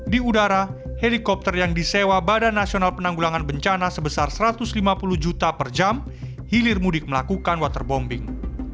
di udara helikopter yang disewa badan nasional penanggulangan bencana sebesar satu ratus lima puluh juta per jam hilir mudik melakukan waterbombing